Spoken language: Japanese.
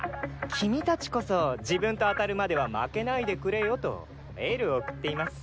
「君達こそ自分と当たるまでは負けないでくれよ」とエールを送っています。